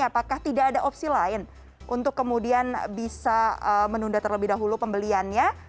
apakah tidak ada opsi lain untuk kemudian bisa menunda terlebih dahulu pembeliannya